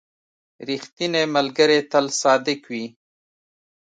• ریښتینی ملګری تل صادق وي.